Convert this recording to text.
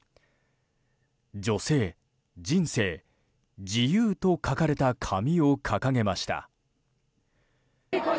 「女性、人生、自由」と書かれた紙を掲げました。